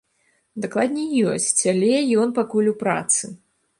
Дакладней, ёсць, але ён пакуль у працы.